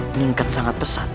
meningkat sangat pesat